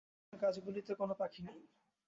যেমন আপনার গাছগুলিতে কোনো পাখি নেই।